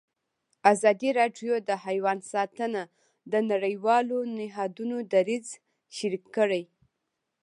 ازادي راډیو د حیوان ساتنه د نړیوالو نهادونو دریځ شریک کړی.